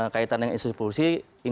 kaitan dengan institusi polisi